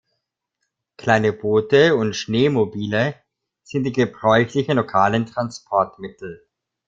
Kleine Boote und Schneemobile sind die gebräuchlichen lokalen Transportmittel.